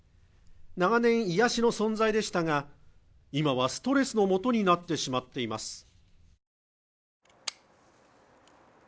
長年、癒やしの存在でしたが、今はストレスのもとになってしまっています。